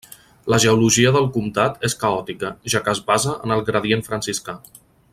La geologia del comtat és caòtica, ja que es basa en el gradient franciscà.